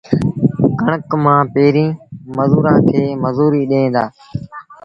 ڪڻڪ مآݩ پيريݩ مزورآݩ کي مزوريٚ ڏيݩ دآ